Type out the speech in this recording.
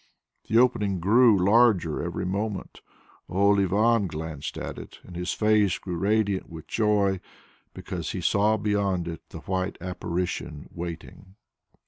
The opening grew larger every moment. Old Ivan glanced at it and his face grew radiant with joy, because he saw beyond it the white Apparition waiting.